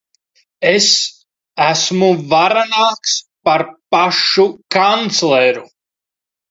Es esmu varenāks par pašu kancleru.